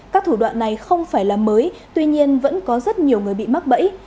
các thủ đoạn này không phải là mới tuy nhiên vẫn có rất nhiều người bị mắc bẫy